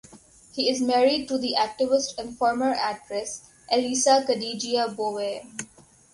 He is married to the activist and former actress Elisa Kadigia Bove.